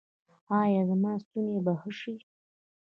ایا زما ستونی به ښه شي؟